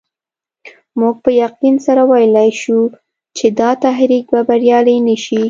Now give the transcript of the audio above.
موږ په یقین سره ویلای شو چې دا تحریک به بریالی نه شي.